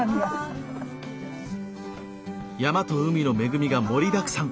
山と海の恵みが盛りだくさん！